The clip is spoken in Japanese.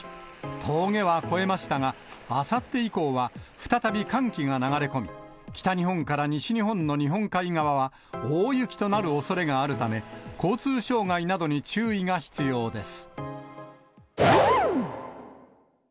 峠は越えましたが、あさって以降は再び寒気が流れ込み、北日本から西日本の日本海側は、大雪となるおそれがあるため、交通障害などに注意が必要です。